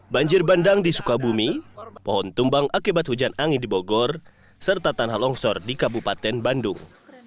banjir bandang di sukabumi pohon tumbang akibat hujan angin di bogor serta tanah longsor di kabupaten bandung